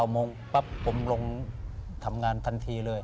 โมงปั๊บผมลงทำงานทันทีเลย